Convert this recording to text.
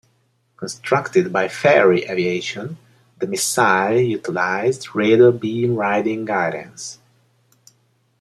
Constructed by Fairey Aviation, the missile utilised radar beam riding guidance.